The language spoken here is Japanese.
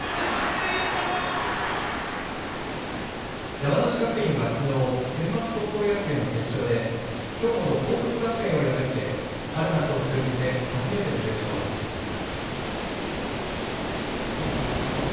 山梨学院はきのうセンバツ高校野球の決勝で兵庫の報徳学園を破って春夏を通じて初めての優勝を果たしました。